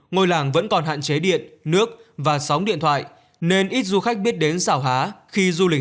ngôi làng vẫn còn hạn chế điện nước và sóng điện thoại nên ít du khách biết đến xảo há khi du lịch